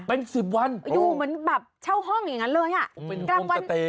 เป็นสิบวันอยู่เหมือนแบบเช่าห้องอย่างนั้นเลยอ่ะกลางวัน